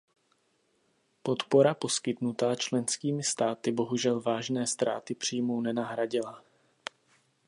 Podpora poskytnutá členskými státy bohužel vážné ztráty příjmů nenahradila.